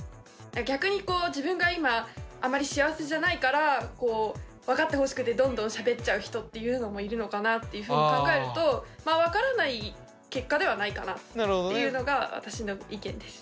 逆にこう自分が今あまり幸せじゃないから分かってほしくてどんどんしゃべっちゃう人というのもいるのかなというふうに考えると分からない結果ではないかなっていうのが私の意見です。